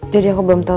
jadi aku belum tahu